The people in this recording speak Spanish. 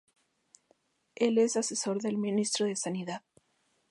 Él es asesor del ministro de sanidad.